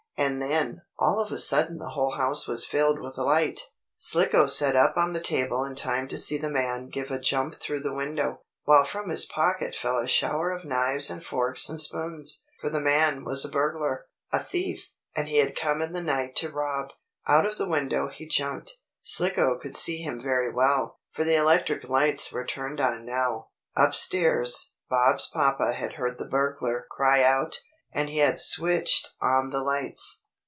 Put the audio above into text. And then, all of a sudden the whole house was filled with light. Slicko sat up on the table in time to see the man give a jump through the window, while from his pocket fell a shower of knives and forks and spoons. For the man was a burglar a thief and he had come in the night to rob. Out of the window he jumped. Slicko could see him very well, for the electric lights were turned on now. Up stairs Bob's papa had heard the burglar cry out, and he had switched on the lights.